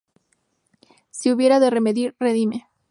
Si hubieres de redimir, redime;